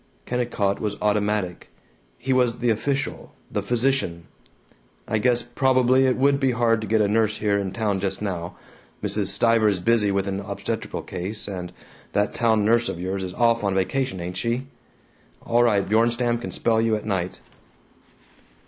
Kennicott was automatic; he was the official, the physician. "I guess probably it would be hard to get a nurse here in town just now. Mrs. Stiver is busy with an obstetrical case, and that town nurse of yours is off on vacation, ain't she? All right, Bjornstam can spell you at night."